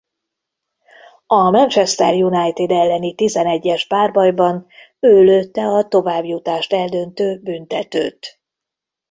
A Manchester United elleni tizenegyes párbajban ő lőtte a továbbjutást eldöntő büntetőt.